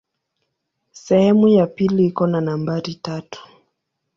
Sehemu ya pili iko na nambari tatu.